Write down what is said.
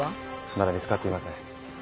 まだ見つかっていません。